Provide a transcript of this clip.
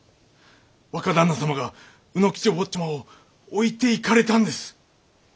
若旦那様が卯之吉お坊ちゃまを置いていかれたんです。